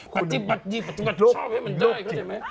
ชอบให้มันได้เจ๋นไหม